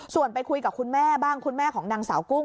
ส่วนไปคุยกับคุณแม่บ้างคุณแม่ของนางสาวกุ้ง